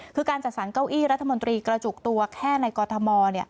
คือการจัดสรรเก้าอี้รัฐมนตรีกระจุกตัวแค่ในกรทม